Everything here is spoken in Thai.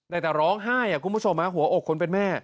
ได้แต่ร้องไห้คุณผู้ชมหัวอกคนเป็นแม่